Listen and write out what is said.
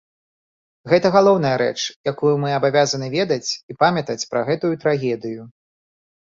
Гэта галоўная рэч, якую мы абавязаны ведаць і памятаць пра гэтую трагедыю.